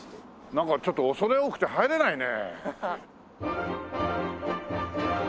なんかちょっと恐れ多くて入れないね。